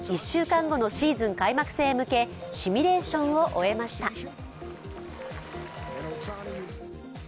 １週間後のシーズン開幕戦へ向けシミュレーションを終えました。